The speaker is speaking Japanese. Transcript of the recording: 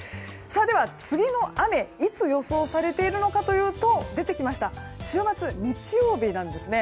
では次の雨いつ予想されているのかというと週末、日曜日なんですね。